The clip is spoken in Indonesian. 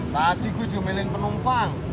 tadi gue diomelin penumpang